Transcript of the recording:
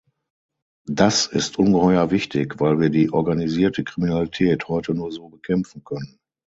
Das ist ungeheuer wichtig, weil wir die organisierte Kriminalität heute nur so bekämpfen können.